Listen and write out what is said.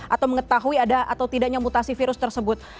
atau mengetahui ada atau tidaknya mutasi virus tersebut